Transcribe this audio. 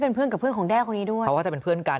เป็นเพื่อนกับเพื่อนของแด้คนนี้ด้วยเพราะว่าถ้าเป็นเพื่อนกัน